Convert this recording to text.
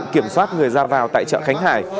kiểm soát người ra vào tại chợ khánh hải